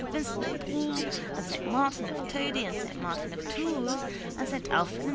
Vincent de Paul and S. Martin of Todi and S. Martin of Tours and S. Alfred and S.